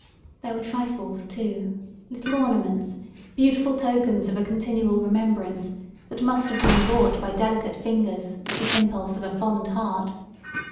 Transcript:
There were trifles too, little ornaments, beautiful tokens of a continual remembrance, that must have been wrought by delicate fingers at the impulse of a fond heart.